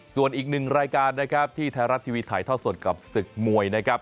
ส่วนอีกหนึ่งรายการนะครับที่ไทยรัฐทีวีถ่ายทอดสดกับศึกมวยนะครับ